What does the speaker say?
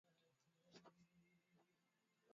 Kulikuwa na ongezeko la bei ya mafuta